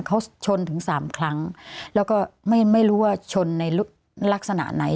เขาชนถึงสามครั้งแล้วก็ไม่รู้ว่าชนในลักษณะไหน